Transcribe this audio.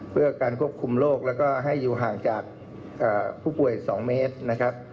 เพื่อการควบคุมโรคแล้วก็ให้อยู่ห่างจากผู้ป่วย๒เมตรนะครับ